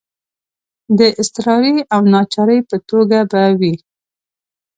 د اضطراري او ناچارۍ په توګه به وي.